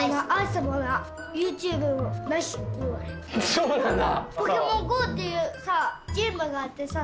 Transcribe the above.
そうなんだ。